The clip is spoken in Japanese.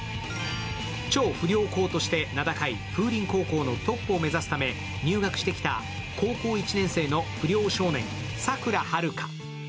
超不良校として名高い風鈴高校のトップを目指すため入学してきた高校１年生の不良少年・桜遥。